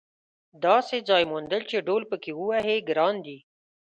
داسې ځای موندل چې ډهل پکې ووهې ګران دي.